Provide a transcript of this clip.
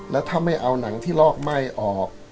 แล้วถ้าไม่เอาหนังที่ลอกไหม้ออก